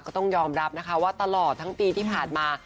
ก็ต้องยอมรับนะคะว่าตลอดทั้งปีที่ผ่านมา